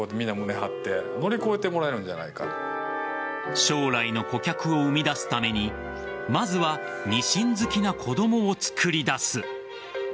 将来の顧客を生み出すためにまずはミシン好きな子供をつくり出す。